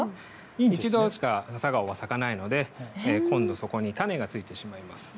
１度しか朝顔は咲かないので今度、そこに種がついてしまうんです。